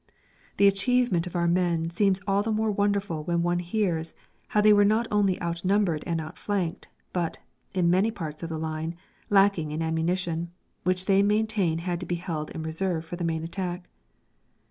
The achievement of our men seems all the more wonderful when one hears how they were not only outnumbered and outflanked, but, in many parts of the line, lacking in ammunition, which they maintain had to be held in reserve for the main attack.